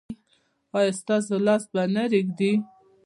ایا ستاسو لاس به نه ریږدي؟